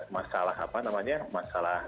masalah apa namanya masalah